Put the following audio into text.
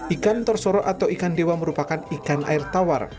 ikan torsoro atau ikan dewa merupakan ikan air tawar